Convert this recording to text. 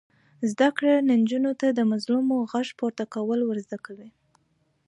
زده کړه نجونو ته د مظلوم غږ پورته کول ور زده کوي.